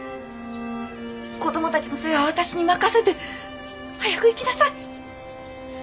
子どもたちの世話は私に任せて早く行きなさい！